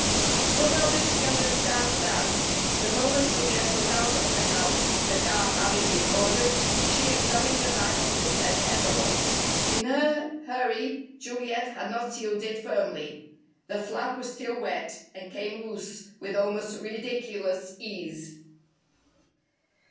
So well did she understand that, the moment Juliet was out of the house (the car having been ordered), she examined the back of the said envelope. In her hurry Juliet had not sealed it firmly. The flap was still wet, and came loose with almost ridiculous ease.